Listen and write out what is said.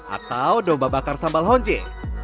atau domba bakar sambal honjeng